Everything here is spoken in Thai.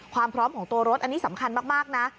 ความพร้อมของตัวรถอันนี้สำคัญมากนะ